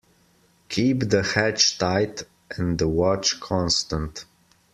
Keep the hatch tight and the watch constant.